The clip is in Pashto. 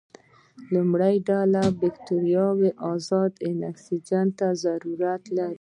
لومړۍ ډله بکټریاوې ازاد اکسیجن ته ضرورت لري.